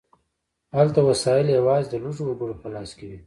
هلته وسایل یوازې د لږو وګړو په لاس کې وي.